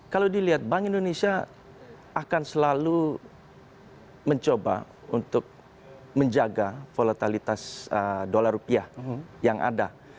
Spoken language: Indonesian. kalau dilihat bank indonesia akan selalu mencoba untuk menjaga volatilitas dolar rupiah yang ada